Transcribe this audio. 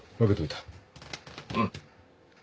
うん。